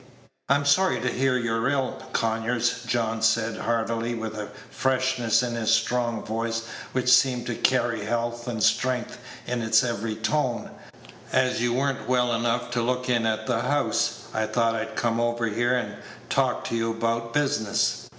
"I'm sorry to hear you're ill, Conyers," John said, heartily, with a freshness in his strong voice which seemed to carry health and strength in its every tone; "as you were n't well enough to look in at the house, I thought I'd come over here and talk to you about business.